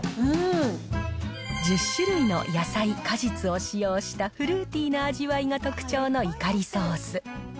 １０種類の野菜、果実を使用したフルーティーな味わいが特徴のイカリソース。